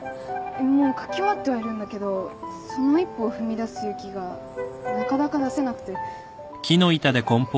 もう描き終わってはいるんだけどその一歩を踏み出す勇気がなかなか出せなくて。